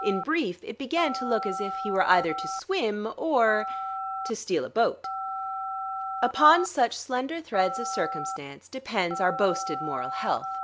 In brief, it began to look as if he were either to swim or ... to steal a boat. Upon such slender threads of circumstance depends our boasted moral health.